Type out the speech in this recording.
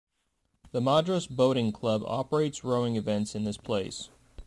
The Madras Boating Club operates rowing events in this place.